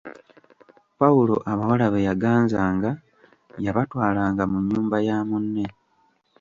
Pawulo abawala be yaganzanga yabatwalanga mu nnyumba ya munne.